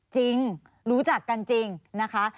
จริงรู้จักกันจริงนะคะ